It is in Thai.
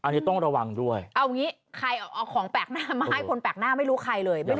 แล้วถึงอย่าอย่าอย่านะคะ